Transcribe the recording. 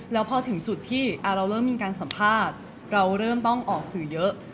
แล้วพอถึงจุดที่เราเริ่มมีการสัมภาษณ์เราเริ่มต้องออกสื่อเยอะ